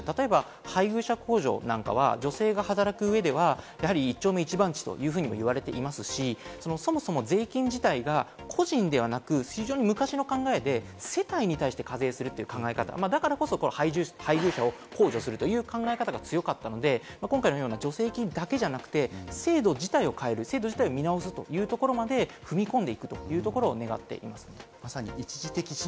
特に今回の件に限らず例えば配偶者控除なんかは女性が働く上では、一丁一１番地というふうに言われていますし、そもそも税金自体が個人ではなく、非常に昔の考えで、世帯に対して課税する考え方、だからこそ配偶者を控除するという考え方が強かったので、今回のような助成金だけじゃなく、制度自体を変える、見直すというところまで踏み込んでいくというところを願っていますね。